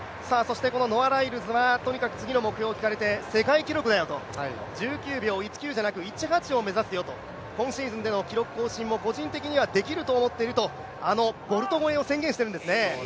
ノア・ライルズはとにかく次の目標を聞かれて世界記録だよと１９秒１９じゃなく１８を目指すよと、今シーズンでの記録更新もできると思っていると、あのボルト超えを宣言しているんですね。